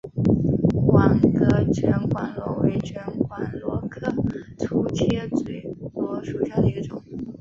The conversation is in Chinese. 网格卷管螺为卷管螺科粗切嘴螺属下的一个种。